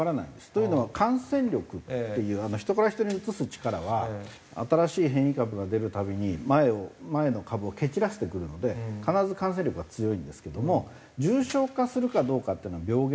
というのは感染力っていう人から人にうつす力は新しい変異株が出るたびに前の株を蹴散らしてくるので必ず感染力が強いんですけども重症化するかどうかっていうのは病原性といいます。